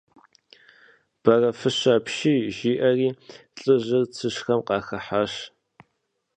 Бэрэфыщэ апщий! – жиӀэри лӀыжьыр цыщхэм къахыхьащ.